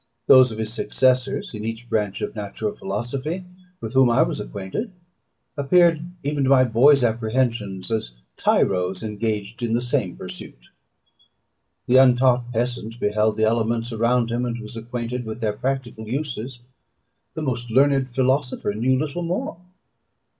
Those of his successors in each branch of natural philosophy with whom I was acquainted, appeared even to my boy's apprehensions, as tyros engaged in the same pursuit. The untaught peasant beheld the elements around him, and was acquainted with their practical uses. The most learned philosopher knew little more.